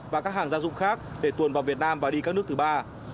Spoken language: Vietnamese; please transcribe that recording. và các hàng gia dụng khác để tuồn vào việt nam và đi các nước thứ ba